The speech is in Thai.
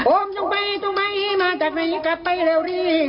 โอ้มยังไปต้องไปมาจากในกลับไปเร็วรี่